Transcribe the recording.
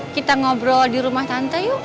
kita ngobrol di rumah tante yuk